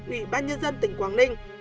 ủy ban nhân dân tỉnh quảng ninh